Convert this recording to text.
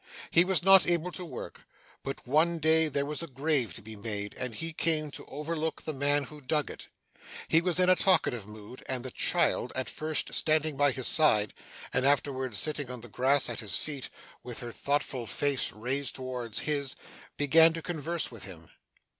He was not able to work, but one day there was a grave to be made, and he came to overlook the man who dug it. He was in a talkative mood; and the child, at first standing by his side, and afterwards sitting on the grass at his feet, with her thoughtful face raised towards his, began to converse with him.